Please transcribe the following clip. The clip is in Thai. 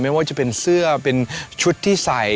ไม่ว่าจะเป็นเสื้อเป็นชุดที่ใส่